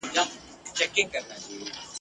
خدای ورکړی داسي ږغ داسي آواز وو ..